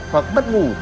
hoặc bất ngủ